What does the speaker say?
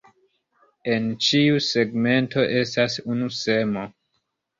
En ĉiu segmento estas unu semo.